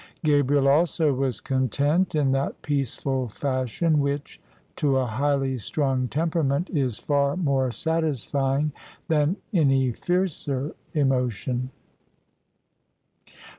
Gabriel also was content, in that peaceful fashion which — to a highly strung temperament — is far more satisfying than any fiercer emotion.